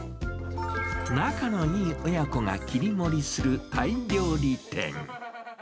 仲のいい親子が切り盛りするタイ料理店。